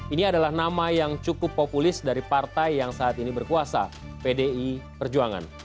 ini adalah nama yang cukup populis dari partai yang saat ini berkuasa pdi perjuangan